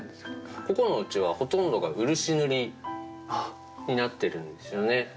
ここのうちはほとんどが漆塗りになっているんですよね。